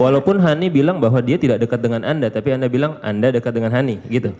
walaupun hani bilang bahwa dia tidak dekat dengan anda tapi anda bilang anda dekat dengan hani